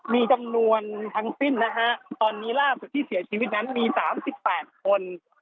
มีจำนวนทั้งสิ้นนะฮะตอนนี้ล่าสุดที่เสียชีวิตนั้นมี๓๘คน